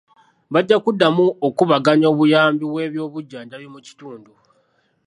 Bajja kuddamu okugabanya obuyambi bw'ebyobujjanjabi mu kitundu.